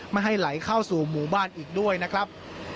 ไม่ให้ไหลเข้าสู่หมู่บ้านอีกด้วยนะครับ